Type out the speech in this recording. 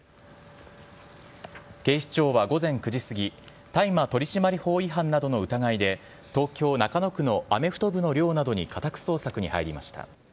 警視庁は午前９時過ぎ、大麻取締法違反などの疑いで、東京・中野区のアメフト部の寮などに家宅捜索に入りました。